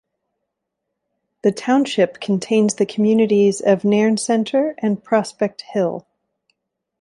The township contains the communities of Nairn Centre and Prospect Hill.